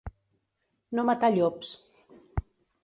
No matar llops.